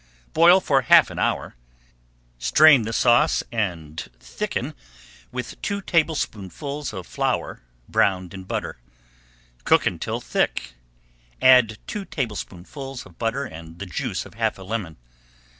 Boil for half an hour, strain the sauce, and thicken with two tablespoonfuls of flour browned in butter. Cook until thick, add two tablespoonfuls of butter and the juice of half a lemon.